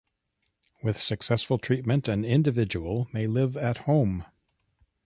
With successful treatment, an individual may live at home.